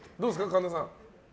神田さん。